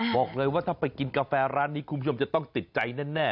บอกเลยว่าถ้าไปกินกาแฟร้านนี้คุณผู้ชมจะต้องติดใจแน่